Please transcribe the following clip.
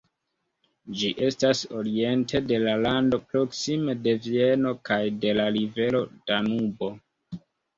Ĝi estas oriente de la lando, proksime de Vieno kaj de la rivero Danubo.